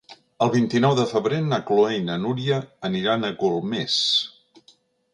El vint-i-nou de febrer na Chloé i na Núria aniran a Golmés.